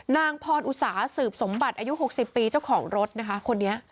นางพรอุสาสืบสมบัติอายุ๖๐ปีเจ้าของรถนะคะคนนี้